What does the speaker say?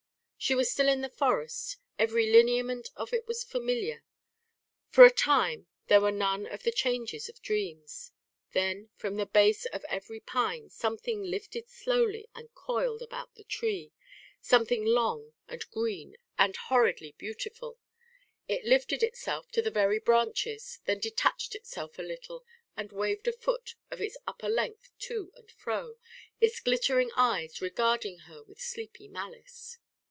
She was still in the forest: every lineament of it was familiar. For a time there were none of the changes of dreams. Then from the base of every pine something lifted slowly and coiled about the tree, something long and green and horridly beautiful. It lifted itself to the very branches, then detached itself a little and waved a foot of its upper length to and fro, its glittering eyes regarding her with sleepy malice.